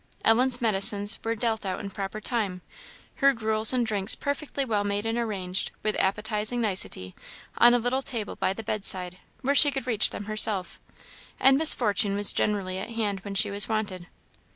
Ellen's medicines were dealt out in proper time; her gruels and drinks perfectly well made and arranged, with appetizing nicety, on a little table by the bedside, where she could reach them herself; and Miss Fortune was generally at hand when she was wanted.